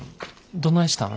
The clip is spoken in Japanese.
どないしたん？